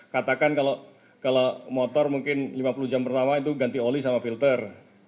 katakan kalau motor mungkin lima puluh jam pertama itu ganti oli sama filter